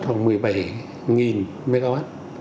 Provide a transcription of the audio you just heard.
khoảng một mươi bảy mw